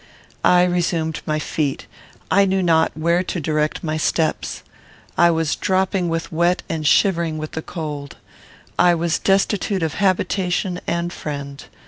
I resumed my feet. I knew not where to direct my steps. I was dropping with wet, and shivering with the cold. I was destitute of habitation and friend.